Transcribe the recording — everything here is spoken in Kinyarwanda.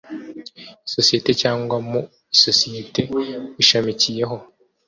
isosiyete cyangwa mu isosiyete ishamikiyeho